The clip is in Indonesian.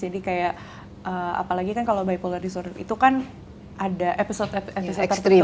jadi kayak apalagi kan kalau bipolar disorder itu kan ada episode episode tertentu